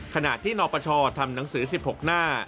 ขณะที่นปชทำหนังสือ๑๖หน้า